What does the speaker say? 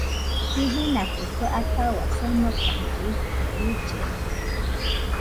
Jimenakɨ kue atahua sonokana uite, rillena